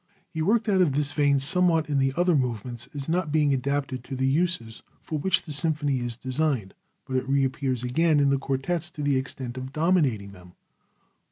He worked out of this vein somewhat in the other movements as not being adapted to the uses for which the symphony is designed, but it reappears again in the quartets to the extent of dominating them.